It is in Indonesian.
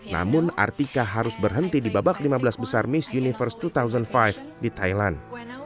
namun artika harus berhenti di babak lima belas besar miss universe dua ribu lima di thailand